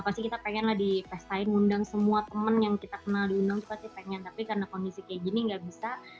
pasti kita pengenlah dipestain undang semua temen yang kita kenal diundang tapi karena kondisi kayak gini gak bisa